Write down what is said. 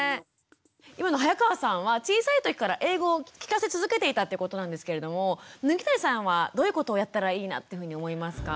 今の早川さんは小さい時から英語を聞かせ続けていたということなんですけれども麦谷さんはどういうことをやったらいいなっていうふうに思いますか？